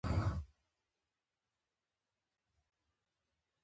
ټولې هڅې پيکه شي